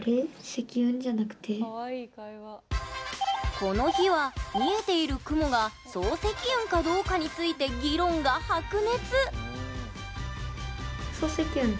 この日は見えている雲が層積雲かどうかについて議論が白熱。